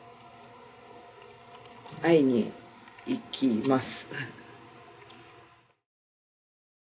会いに行きます。